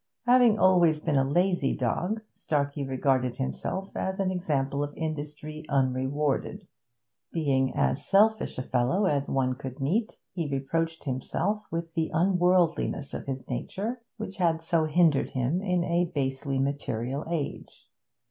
Having always been a lazy dog, Starkey regarded himself as an example of industry unrewarded; being as selfish a fellow as one could meet, he reproached himself with the unworldliness of his nature, which had so hindered him in a basely material age.